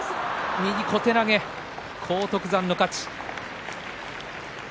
右小手投げ、荒篤山の勝ち。